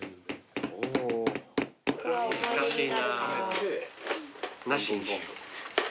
難しいなあ。